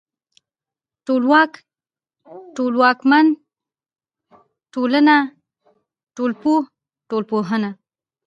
ټولواک ، ټولواکمن، ټولنه، ټولنپوه، ټولنپوهنه